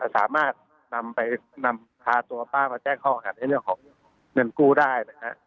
สามารถพาตัวป้ามาแจ้งข้อคำเรื่องของเงินกู้ได้